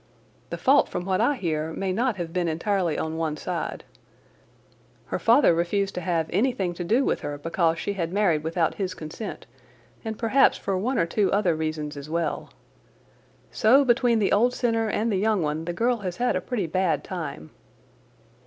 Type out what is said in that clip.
The fault from what I hear may not have been entirely on one side. Her father refused to have anything to do with her because she had married without his consent and perhaps for one or two other reasons as well. So, between the old sinner and the young one the girl has had a pretty bad time."